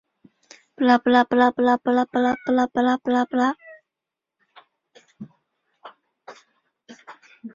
这将产生其能够持续至最后一口的乳脂状泡沫。